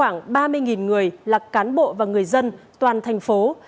khoảng ba mươi người là cán bộ và người dân toàn thành phố